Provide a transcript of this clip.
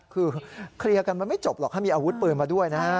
คือเคลียร์กันมันไม่จบหรอกเขามีอาวุธปืนมาด้วยนะฮะ